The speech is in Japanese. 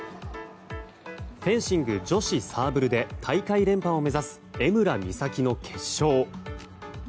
フェンシング女子サーブルで大会連覇を目指す江村美咲の決勝。